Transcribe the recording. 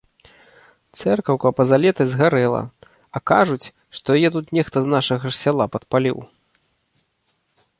Цэркаўка пазалетась згарэла, а кажуць, што яе тут нехта з нашага ж сяла падпаліў.